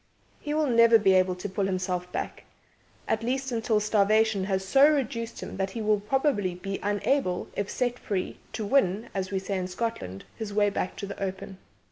He will never be able to pull himself back at least, until starvation has so reduced him that he will probably be unable, if set free, to win (as we say in Scotland) his way back to the open.